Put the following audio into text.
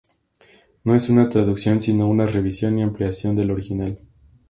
No es una traducción sino una revisión y ampliación del original.